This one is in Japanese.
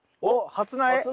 初苗。